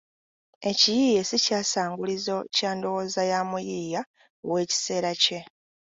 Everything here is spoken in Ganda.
Ekiyiiye ssi kyasangulizo kya ndowooza ya muyiiya ow’ekiseera kye.